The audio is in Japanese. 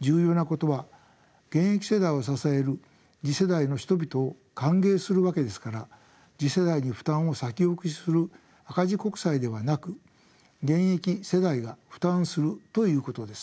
重要なことは現役世代を支える次世代の人々を歓迎するわけですから次世代に負担を先送りする赤字国債ではなく現役世代が負担するということです。